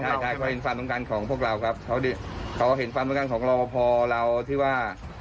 ใช่เขาเห็นความรับความสำคัญของพวกเราครับเขาเห็นความรับความสำคัญของเราพอเราที่ว่า